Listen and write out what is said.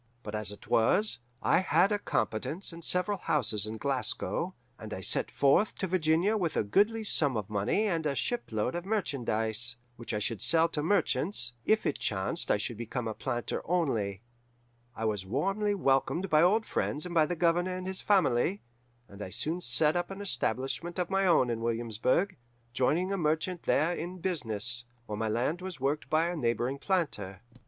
But as it was, I had a competence and several houses in Glasgow, and I set forth to Virginia with a goodly sum of money and a shipload of merchandise, which I should sell to merchants, if it chanced I should become a planter only. I was warmly welcomed by old friends and by the Governor and his family, and I soon set up an establishment of my own in Williamsburg, joining with a merchant there in business, while my land was worked by a neighbouring planter.